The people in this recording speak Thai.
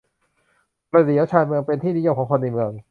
บ้านเดี่ยวชานเมือง เป็นที่นิยมของคนในเมือง